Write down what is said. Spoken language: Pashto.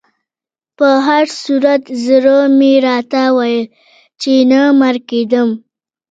په هر صورت زړه مې راته ویل چې نه مړ کېدم.